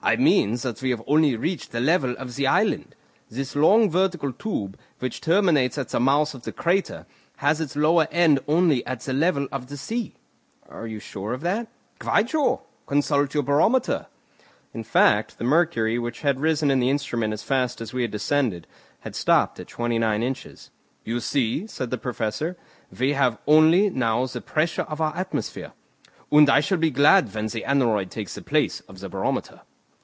"I mean that we have only reached the level of the island, long vertical tube, which terminates at the mouth of the crater, has its lower end only at the level of the sea." "Are you sure of that?" "Quite sure. Consult the barometer." In fact, the mercury, which had risen in the instrument as fast as we descended, had stopped at twenty nine inches. "You see," said the Professor, "we have now only the pressure of our atmosphere, and I shall be glad when the aneroid takes the place of the barometer."